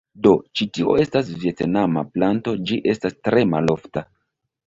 Do, ĉi tio estas vjetnama planto ĝi estas tre malofta